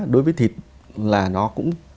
đối với thịt là nó cũng